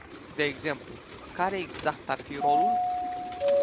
De exemplu, care exact ar fi rolul?